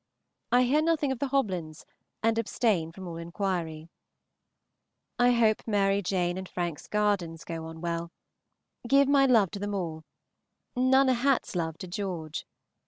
I hear nothing of the Hoblyns, and abstain from all inquiry. I hope Mary Jane and Frank's gardens go on well. Give my love to them all Nunna Hat's love to George.